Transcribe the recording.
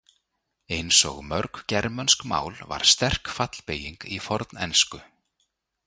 Eins og mörg germönsk mál var sterk fallbeyging í fornensku.